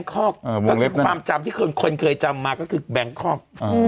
ก็คือความจำที่คนเคยจำมาก็คือแบงคอก